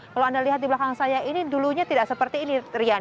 kalau anda lihat di belakang saya ini dulunya tidak seperti ini rian